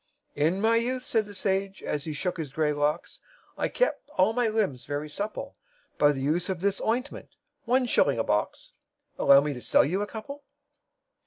"In my youth," said the sage, as he shook his grey locks, "I kept all my limbs very supple By the use of this ointment one shilling a box Allow me to sell you a couple?"